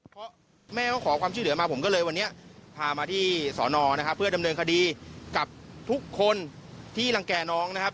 เพื่อดำเนินคดีกับทุกคนที่รังแก่น้องนะครับ